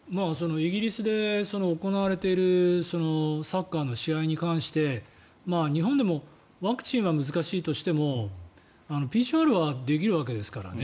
イギリスで行われているサッカーの試合に関して日本でもワクチンは難しいとしてもＰＣＲはできるわけですからね。